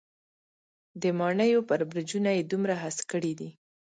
د ماڼېیو برجونه یې دومره هسک کړي دی.